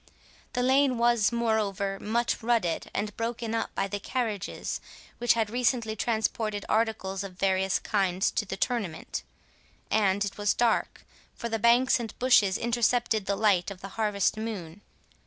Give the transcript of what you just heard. The lane was moreover much rutted and broken up by the carriages which had recently transported articles of various kinds to the tournament; and it was dark, for the banks and bushes intercepted the light of the harvest moon.